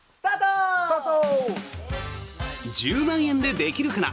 「１０万円でできるかな」